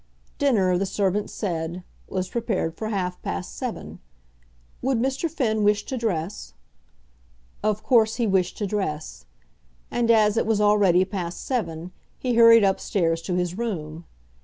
Dinner, the servant said, was prepared for half past seven. Would Mr. Finn wish to dress? Of course he wished to dress. And as it was already past seven he hurried up stairs to his room.